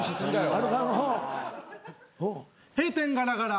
閉店ガラガラ。